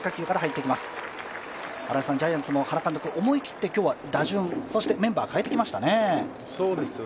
ジャイアンツも原監督、思い切って打順、メンバーを変えてきましたね。